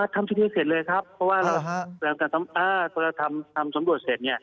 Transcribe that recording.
ทำคดีเสร็จเลยครับเพราะว่าพอเราทำสำรวจเสร็จ